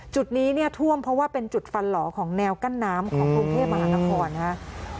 จุดนี้เนี่ยท่วมเพราะว่าเป็นจุดฟันหล่อของแนวกั้นน้ำของกรุงเทพมหานครนะครับ